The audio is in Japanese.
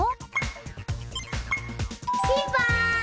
ピンポーン！